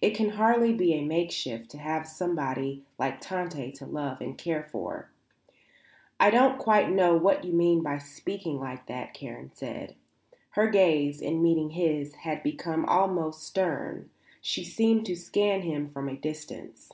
It can hardly be a makeshift to have somebody like Tante to love and care for. I don't quite know what you mean by speaking like that," Karen said. Her gaze, in meeting his, had become almost stern. She seemed to scan him from a distance.